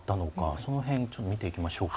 その辺、見ていきましょうか。